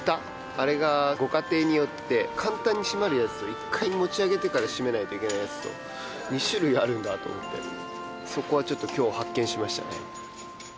あれがご家庭によって簡単に閉まるやつと一回持ち上げてから閉めないといけないやつと２種類あるんだと思ってそこはちょっと今日発見しましたね